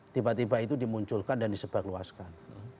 tiba tiba itu dimunculkan dan disebarluaskan